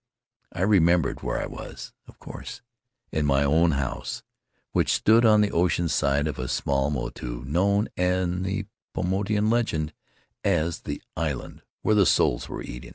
I remembered where I was, of course: in my own house, which stood on the ocean side of a small moiu known in the Paumotuan legend as "The island where the souls were eaten."